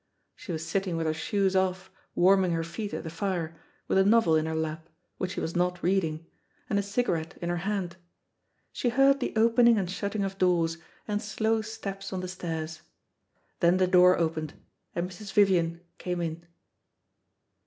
She was sitting with her shoes off warming her feet at the fire, with a novel in her lap, which she was not reading, and a cigarette in her hand. She heard the opening and shutting of doors, and slow steps on the stairs. Then the door opened and Mrs. Vivian came in.